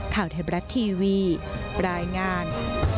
ข่าวเทพรัฐทีวีปลายงาน